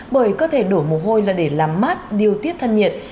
bởi cơ thể đổ mồ hôi là để làm mát điều tiết thân nhiệt